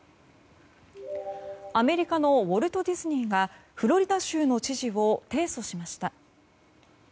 アメリカのウォルト・ディズニーがフロリダ州の知事を提訴しました。